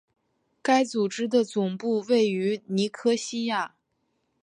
该组织的总部位于尼科西亚。